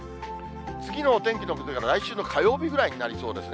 次のお天気の崩れが来週の火曜日ぐらいになりそうですね。